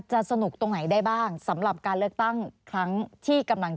จะไม่ได้มาในสมัยการเลือกตั้งครั้งนี้แน่